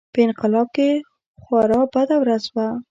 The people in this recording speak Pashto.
په انقلاب کې خورا بده ورځ وه.